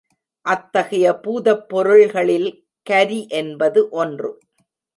அத்தகைய பூதப்பொருள்களில் கரி என்பது ஒன்று.